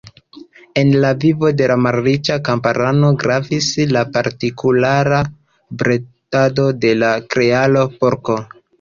En la vivo de malriĉaj kamparanoj gravis la partikulara bredado de la Kreola porko.